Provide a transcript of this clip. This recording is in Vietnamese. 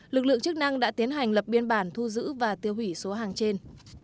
lực lượng chức năng đã tiến hành lập biên bản thu giữ và tiêu hủy số hàng trên